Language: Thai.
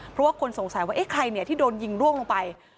เพราะว่าคนสงสัยว่าเอ๊ะใครเนี่ยที่โดนยิงร่วงลงไป